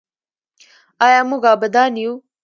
آیا موږ عابدان یو؟